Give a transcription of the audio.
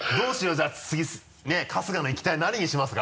じゃあ次ね春日の行きたい何にしますか？